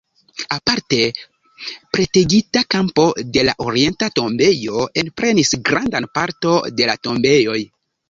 Aparte pretigita kampo de la orienta tombejo enprenis grandan parto de la tombejoj.